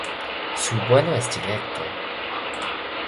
Su vuelo es directo.